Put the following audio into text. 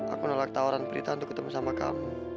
aku nolak tawaran berita untuk ketemu sama kamu